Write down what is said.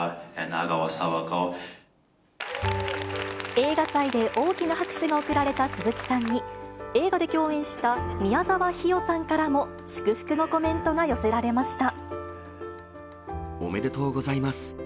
映画祭で大きな拍手がおくられた鈴木さんに、映画で共演した宮沢氷魚さんからも祝福のコメントが寄せられましおめでとうございます。